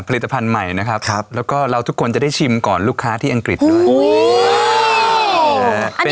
ผลิตภัณฑ์ใหม่นะครับแล้วก็เราทุกคนจะได้ชิมก่อนลูกค้าที่อังกฤษด้วย